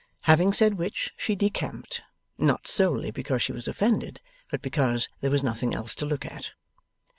Having said which she decamped: not solely because she was offended, but because there was nothing else to look at.